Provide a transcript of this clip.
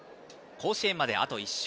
甲子園まで、あと１勝。